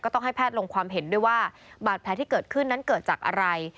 ต้องให้แพทย์ลงความเห็นด้วยว่าบาดแผลที่เกิดขึ้นนั้นเกิดจากอะไร